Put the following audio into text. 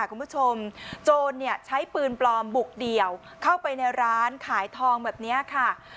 คุณผู้ชมโจรใช้ปืนปลอมบุกเดี่ยวเข้าไปในร้านขายทองแบบนี้ค่ะ